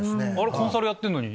コンサルやってんのに？